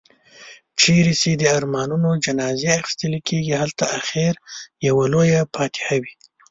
چيري چي د ارمانونو جنازې اخيستل کېږي، هلته اختر يوه لويه فاتحه وي.